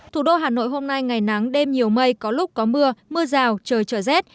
thủ đô hà nội hôm nay ngày nắng đêm nhiều mây có lúc có mưa mưa rào trời trở rét